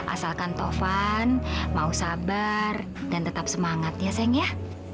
asalkan tovan mau sabar dan tetap semangat ya sayang ya